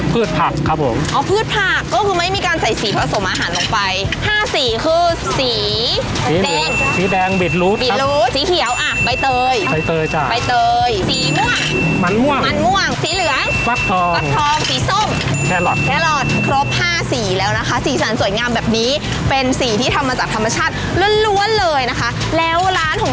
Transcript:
พืชผักครับผมอ๋อพืชผักก็คือไม่มีการใส่สีผสมอาหารลงไปห้าสีคือสีแดงสีแดงบิดรู้บิดรู้สีเขียวอ่ะใบเตยใบเตยจ้ะใบเตยสีม่วงมันม่วงมันม่วงสีเหลืองฟักทองฟักทองสีส้มแครอทแครอทครบห้าสีแล้วนะคะสีสันสวยงามแบบนี้เป็นสีที่ทำมาจากธรรมชาติล้วนเลยนะคะแล้วร้านของ